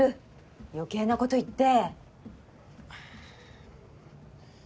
余計なこと言って！